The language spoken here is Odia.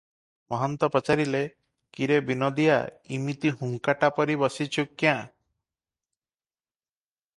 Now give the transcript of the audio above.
ମହନ୍ତ ପଚାରିଲେ, "କି ରେ ବିନୋଦିଆ, ଇମିତି ହୁଙ୍କାଟା ପରି ବସିଛୁ କ୍ୟାଁ?